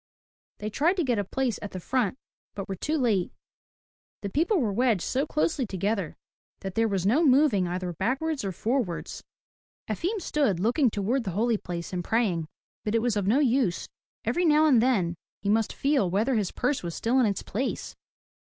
They tried to get a place at the front, but were too late. The people were wedged so closely together that there was no moving either backwards or forwards. Efim stood looking toward the holy place and praying, but it was of no use. Every now and then he must feel whether his purse was still in its place.